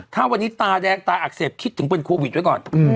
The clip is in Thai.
ถ้าวันนี้ตาแดงตาอักเสบคิดถึงเป็นโควิดไว้ก่อน